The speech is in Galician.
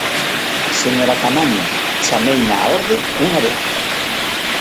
Señora Caamaño, chameina á orde unha vez.